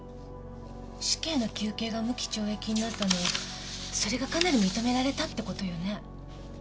死刑の求刑が無期懲役になったのはそれがかなり認められたってことよね。